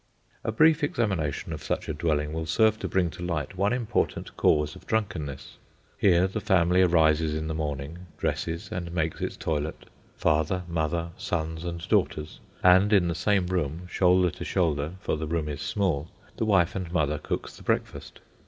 A brief examination of such a dwelling will serve to bring to light one important cause of drunkenness. Here the family arises in the morning, dresses, and makes its toilet, father, mother, sons, and daughters, and in the same room, shoulder to shoulder (for the room is small), the wife and mother cooks the breakfast.